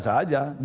saya kerja saja